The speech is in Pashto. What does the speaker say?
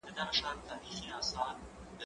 زه به سبا مينه څرګنده کړم،